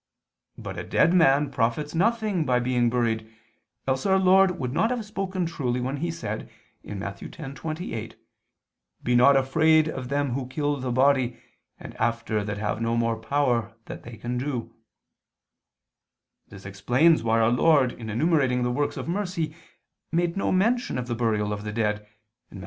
But a dead man profits nothing by being buried, else Our Lord would not have spoken truly when He said (Matt. 10:28): "Be not afraid of them who kill the body, and after that have no more that they can do." [*The quotation is from Luke 12:4.] This explains why Our Lord, in enumerating the works of mercy, made no mention of the burial of the dead (Matt.